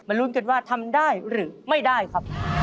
ลุ้นกันว่าทำได้หรือไม่ได้ครับ